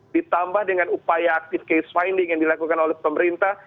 ditambah dengan upaya active case finding yang dilakukan oleh pemerintah